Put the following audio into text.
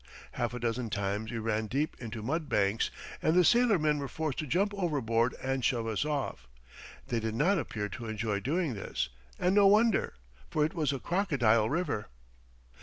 Half a dozen times we ran deep into mud banks, and the sailormen were forced to jump overboard and shove us off. They did not appear to enjoy doing this, and no wonder, for it was a crocodile river.